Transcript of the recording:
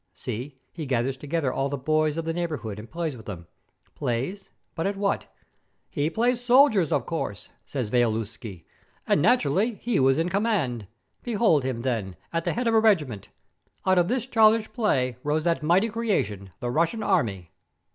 See, he gathers together all the boys of the neighbourhood and plays with them. Plays but at what? 'He plays soldiers, of course,' says Waliszewski, 'and, naturally, he was in command. Behold him, then, at the head of a regiment! Out of this childish play rose that mighty creation, the Russian army.